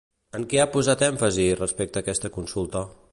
En què ha posat èmfasi, respecte aquesta consulta?